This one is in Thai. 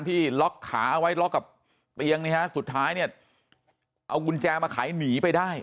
ที่ล็อกขาเอาไว้ล็อกกับเตียงนี่ฮะสุดท้ายเนี่ยเอากุญแจมาขายหนีไปได้